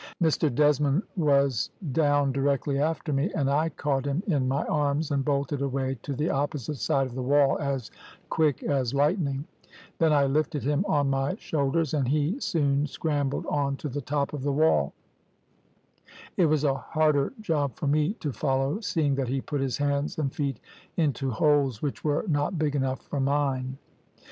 Mr Desmond was dawn directly after me, and I caught him in my arms and bolted away to the opposite side of the wall as quick as lightning, then I lifted him on my shoulders and he soon scrambled on to the top of the wall; it was a harder job for me to follow, seeing that he put his hands and feet into holes which were not big enough for mine.